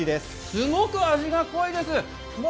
すごく味が濃いです。